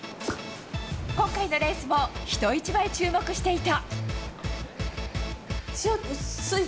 今回のレースも人一倍注目していた。